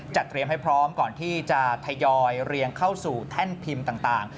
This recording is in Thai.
เตรียมให้พร้อมก่อนที่จะทยอยเรียงเข้าสู่แท่นพิมพ์ต่าง